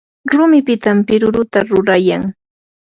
rumipitam piruruta rurayan.